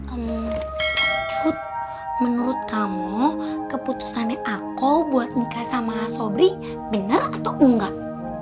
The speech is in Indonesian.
ehm cucu menurut kamu keputusannya aku buat nikah sama sobri bener atau enggak